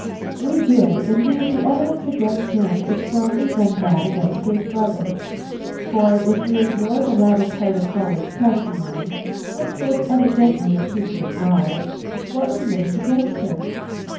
"We did. Indeed the evidence against him is stronger than that against his brother. For if we ignore the latter part of Howard's testimony, which was evidently a tissue of lies, what remains against him?